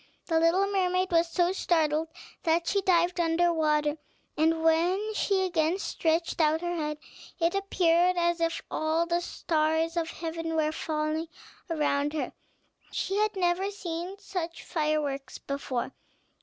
The little mermaid was so startled that she dived under water; and when she again stretched out her head, it appeared as if all the stars of heaven were falling around her, she had never seen such fireworks before.